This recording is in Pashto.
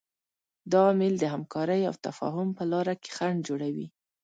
دا عامل د همکارۍ او تفاهم په لاره کې خنډ جوړوي.